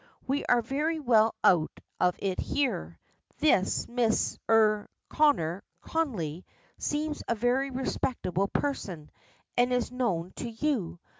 We are very well out of it here. This Mrs. er Connor Connolly seems a very respectable person, and is known to you.